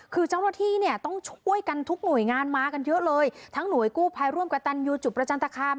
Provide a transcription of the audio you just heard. คือเจ้าหน้าที่เนี่ยต้องช่วยกันทุกหน่วยงานมากันเยอะเลยทั้งหน่วยกู้ภัยร่วมกับตันยูจุดประจันตคาม